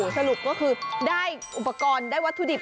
สรุปก็คือได้อุปกรณ์ได้วัตถุดิบ